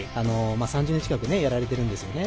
３０年近くやられてるんですよね。